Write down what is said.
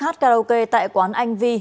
hát karaoke tại quán anh vi